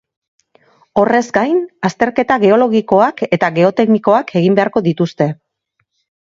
Horrez gain, azterketa geologikoak eta geoteknikoak egin beharko dituzte.